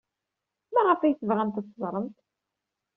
Maɣef ay tebɣamt ad teẓremt?